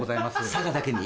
佐賀だけに？